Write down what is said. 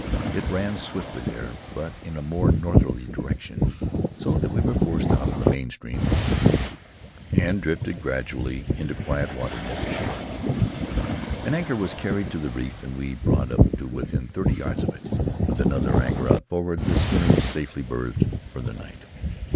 It ran swiftly there, but in a more northerly direction, so that we were forced out of the main stream of it, and drifted gradually into quiet water near the shore. An anchor was carried to the Anchored off the Reef reef and we brought up to within thirty yards of it. With another anchor out forward, the schooner was safely berthed for the night.